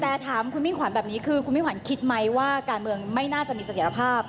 แต่ถามคุณมิ่งขวัญแบบนี้คือคุณมิ่งขวัญคิดไหมว่าการเมืองไม่น่าจะมีเสถียรภาพ